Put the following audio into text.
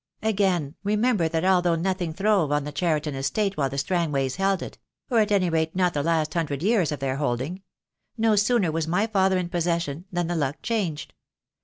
Again, remember that although nothing throve on the Cheriton Estate while the Strangways held it — or at any rate not for the last hundred years of their holding — no sooner was my father in possession than the luck changed.